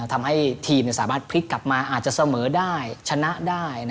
ทำให้ทีมสามารถพลิกกลับมาอาจจะเสมอได้ชนะได้